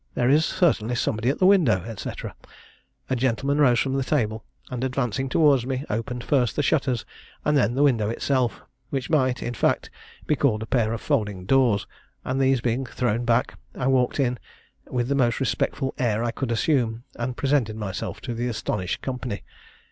there is certainly somebody at the window,' &c. a gentleman rose from the table, and, advancing towards me, opened first the shutters, and then the window itself, which might, in fact, be called a pair of folding doors; and these being thrown back, I walked in with the most respectful air I could assume, and presented myself to the astonished company.